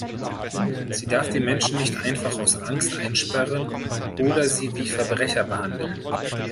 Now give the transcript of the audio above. Sie darf die Menschen nicht einfach aus Angst einsperren oder sie wie Verbrecher behandeln.